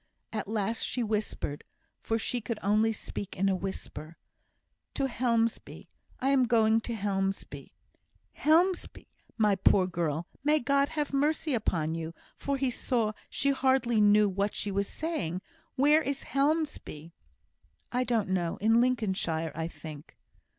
At last she whispered (for she could only speak in a whisper), "To Helmsby I am going to Helmsby." "Helmsby! my poor girl may God have mercy upon you!" for he saw she hardly knew what she was saying. "Where is Helmsby?" "I don't know. In Lincolnshire, I think."